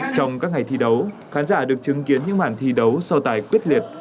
trong các ngày thi đấu khán giả được chứng kiến những màn thi đấu so tài quyết liệt